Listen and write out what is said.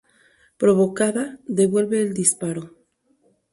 Provocada, devuelve el disparo.